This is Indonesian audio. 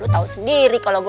terus kita ke kantor